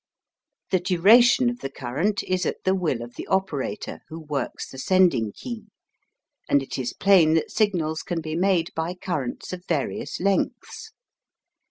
The duration of the current is at the will of the operator who works the sending key, and it is plain that signals can be made by currents of various lengths.